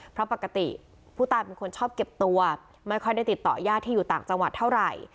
เพราะปกติผู้ตายเป็นคนชอบเก็บตัวไม่ค่อยได้ติดต่อยาดที่อยู่ต่างจังหวัดเท่าไหร่